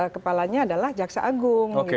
kepalanya adalah jaksa agung